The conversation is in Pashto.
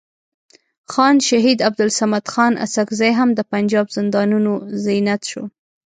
خان شهید عبدالصمد خان اڅکزی هم د پنجاب زندانونو زینت شو.